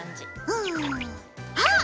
うんあっ！